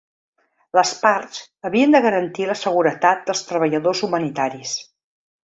Les parts havien de garantir la seguretat dels treballadors humanitaris.